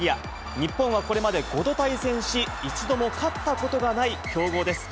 日本はこれまで５度対戦し、一度も勝ったことがない強豪です。